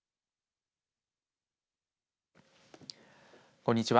こんにちは。